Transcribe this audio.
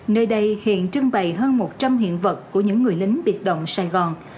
nơi đây hiện trưng bày hơn một trăm linh hiện vật của những người lính biệt động sài gòn